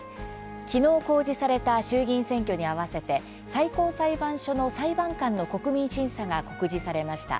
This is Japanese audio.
きのう公示された衆議院選挙に合わせて最高裁判所の裁判官の「国民審査」が告示されました。